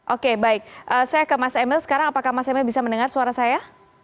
oke baik saya ke mas emil sekarang apakah mas emil bisa mendengar suara saya